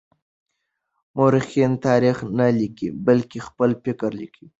مورخين تاريخ نه ليکي بلکې خپل فکر ليکي.